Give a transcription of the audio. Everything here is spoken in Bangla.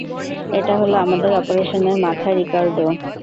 এটা হলো আমাদের অপারেশনের মাথা, রিকার্ডো।